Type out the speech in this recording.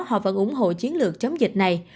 họ vẫn ủng hộ chiến lược chống dịch này